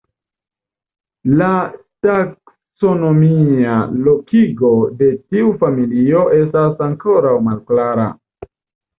La taksonomia lokigo de tiu familio estas ankoraŭ malklara.